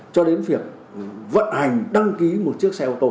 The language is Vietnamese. cho đến việc vận hành đăng ký một chiếc xe ô tô